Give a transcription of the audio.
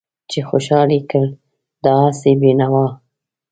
چې خوشحال يې کړ دا هسې بې نوا